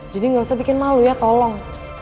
jadi gak usah bikin malu ya tolong